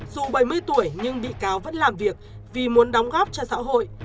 dù bảy mươi tuổi nhưng bị cáo vẫn làm việc vì muốn đóng góp cho xã hội